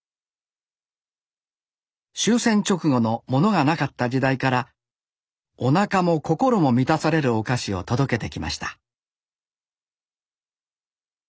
終戦直後のモノがなかった時代からおなかも心も満たされるお菓子を届けてきました